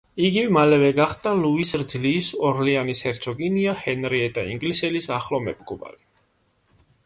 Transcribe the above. იგი მალევე გახდა ლუის რძლის, ორლეანის ჰერცოგინია ჰენრიეტა ინგლისელის ახლო მეგობარი.